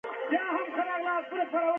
هغه د ګلانو او بوټو ته ځمکه نرموله.